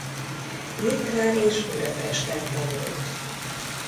Nyitrán és Budapesten tanult.